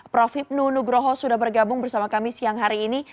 prof hipnu nugroho sudah bergabung bersama kami siang hari ini